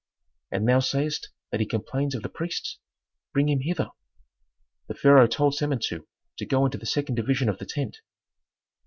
And thou sayst that he complains of the priests? Bring him hither." The pharaoh told Samentu to go into the second division of the tent.